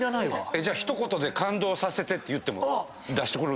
じゃあ一言で感動させてって言っても出してくれる？